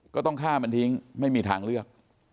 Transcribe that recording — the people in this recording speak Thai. ก็ต้องฆ่ามันทิ้งไม่มีทางเลือก